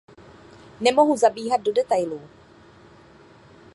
Nemohu zabíhat do detailů.